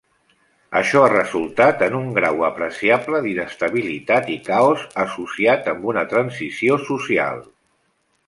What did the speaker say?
Això ha resultat en un grau apreciable d'inestabilitat i caos associat amb una transició social.